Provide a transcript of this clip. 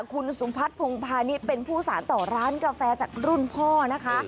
คุณสุพัฒน์พงภานิษฐ์เป็นผู้สารต่อร้านกาแฟจากรุ่นพ่อนะคะ